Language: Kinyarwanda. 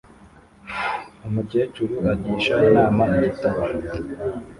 Umukecuru agisha inama igitabo